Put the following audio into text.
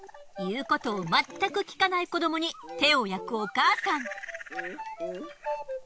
言うことをまったく聞かない子どもに手を焼くお母さん。